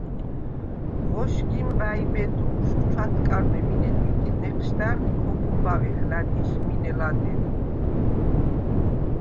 ღოშგიმ ვა̈იბედუშვ ჩვათკარვნე მინე დიდ ი ნეჴშდა̈რდ ქოხუმბავეხ ლა̈დიშ მინე ლადეღ.